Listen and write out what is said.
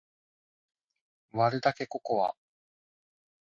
割るだけココア